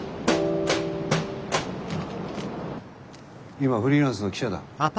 今はフリーランスの記者だ。